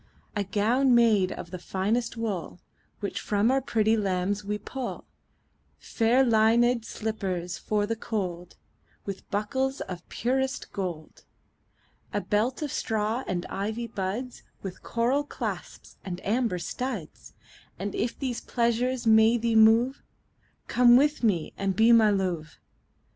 A gown made of the finest wool Which from our pretty lambs we pull; Fair linèd slippers for the cold, 15 With buckles of the purest gold. A belt of straw and ivy buds With coral clasps and amber studs: And if these pleasures may thee move, Come live with me and be my Love.